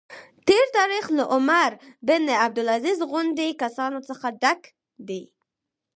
تېر تاریخ له عمر بن عبدالعزیز غوندې کسانو څخه ډک دی.